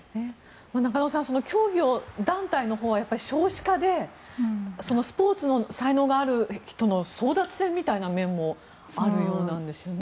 中野さん競技団体のほうは少子化でスポーツの才能がある人の争奪戦みたいな面もあるようなんですよね。